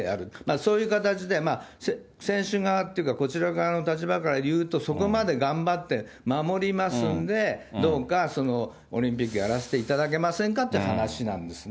そういう形で、選手側っていうか、こちら側の立場からいうと、そこまで頑張って守りますんで、どうかオリンピックやらせていただけませんかっていう話なんですね。